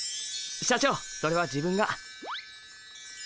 社長それは自分が。